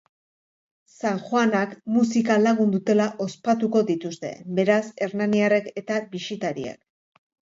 Sanjoanak musika lagun dutela ospatuko dituzte, beraz, hernaniarrek eta bisitariek.